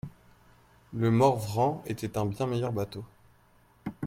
Le Morvran était un bien meilleur bateau.